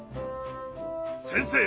先生！